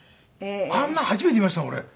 あんなの初めて見ました俺。